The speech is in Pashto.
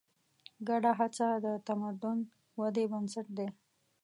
ګډه هڅه د تمدن ودې بنسټ دی.